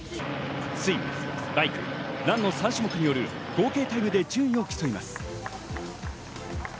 スイム、バイク、ランの３種目による合計タイムで順位を競います。